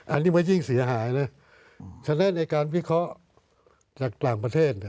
อันนี้มันยิ่งเสียหายนะฉะนั้นในการวิเคราะห์จากต่างประเทศ